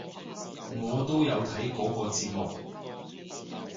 我都有睇嗰個節目！